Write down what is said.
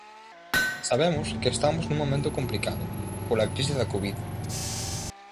Sabemos que estamos nun momento complicado, pola crise da Covid.